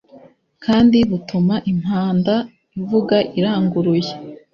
kandi butuma impanda ivuga iranguruye